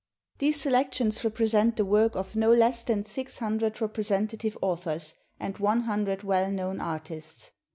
These selections represent the work of no less than six hundred representative authors and one hundred well known artists.